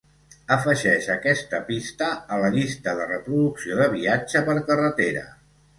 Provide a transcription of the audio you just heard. afegeix aquesta pista a la llista de reproducció de viatge per carretera